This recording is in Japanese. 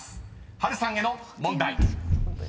波瑠さんへの問題］